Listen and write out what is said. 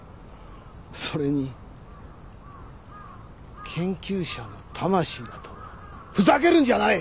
それに研究者の魂だとふざけるんじゃない！